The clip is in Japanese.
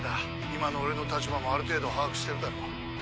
☎今の俺の立場もある程度把握してるだろう